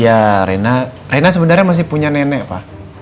ya renanya sebenernya masih punya nenek pak